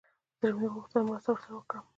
زړه مې وغوښتل مرسته ورسره وکړم.